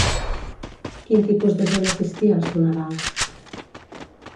Quin tipus de gent assistia als funerals?